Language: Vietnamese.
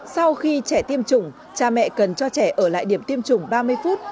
sau khi trẻ tiêm chủng cha mẹ cần cho trẻ ở lại điểm tiêm chủng ba mươi phút